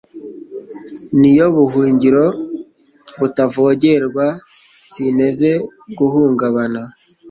ni yo buhungiro butavogerwa sinteze guhungabana